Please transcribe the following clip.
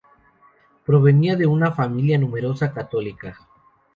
Provenía de una familia numerosa, católica.